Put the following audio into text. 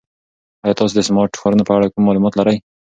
ایا تاسو د سمارټ ښارونو په اړه کوم معلومات لرئ؟